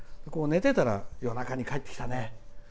寝てたら夜中に帰ってきたね。